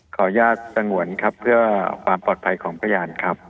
ขออนุญาตสงวนครับเพื่อความปลอดภัยของพยานครับ